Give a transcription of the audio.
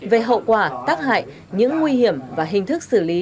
về hậu quả tác hại những nguy hiểm và hình thức xử lý